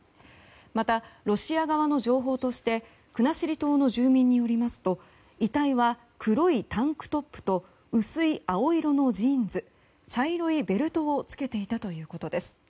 またロシア側の情報として国後島の住民によりますと遺体は黒いタンクトップと薄い青色のジーンズ茶色いベルトを着けていたということです